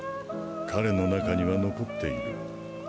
彼の中には残っている。